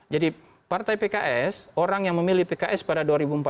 jadi partai pks orang yang memilih pks pada dua ribu empat belas